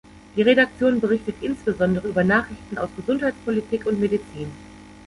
Die Redaktion berichtet insbesondere über Nachrichten aus Gesundheitspolitik und Medizin.